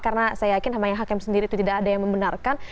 karena saya yakin main hakim sendiri itu tidak ada yang membenarkan